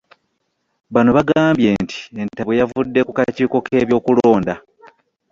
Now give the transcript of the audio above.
Bano bagambye nti entabwe yavudde ku kakiiko k'ebyokulonda